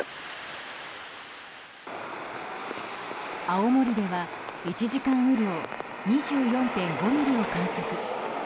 青森では１時間雨量２４．５ミリを観測。